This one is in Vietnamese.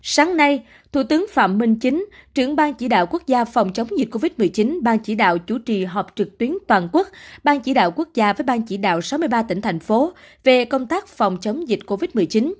sáng nay thủ tướng phạm minh chính trưởng ban chỉ đạo quốc gia phòng chống dịch covid một mươi chín ban chỉ đạo chủ trì họp trực tuyến toàn quốc bang chỉ đạo quốc gia với ban chỉ đạo sáu mươi ba tỉnh thành phố về công tác phòng chống dịch covid một mươi chín